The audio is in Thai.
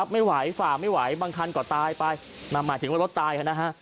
ไม่ไหวฝ่าไม่ไหวบางคันก่อตายไปหมายถึงว่ารถตาย